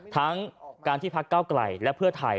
ทั้งการที่พักเก้าไกลและเพื่อไทย